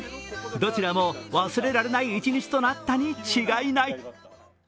どちらも忘れられない一日となったに違いない。